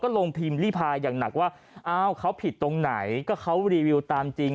ก็ลงพิมพิภายอย่างหนักว่าเขาผิดตรงไหนก็เขารีวิวตามจริง